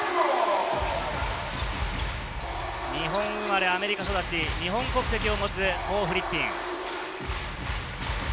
日本生まれアメリカ育ち、日本国籍を持つコー・フリッピン。